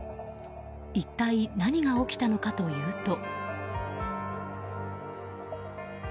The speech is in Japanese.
一体何が起きたのかというと。